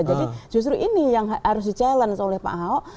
jadi justru ini yang harus di challenge oleh pak ahok